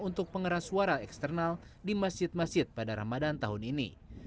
untuk pengeras suara eksternal di masjid masjid pada ramadan tahun ini